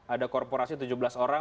ada korporasi tujuh belas orang